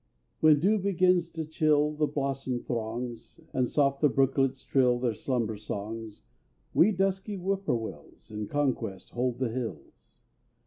When dews begin to chill The blossom throngs, And soft the brooklets trill Their slumber songs, We dusky Whippoorwills In conquest hold the hills.